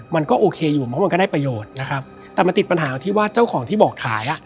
มันก็โอเคอยู่เพราะมันก็ได้ประโยชน์นะครับแต่มันติดปัญหาที่ว่าเจ้าของที่บอกขายอ่ะ